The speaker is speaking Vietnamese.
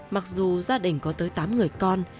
mặc dù gia đình có tới tám người con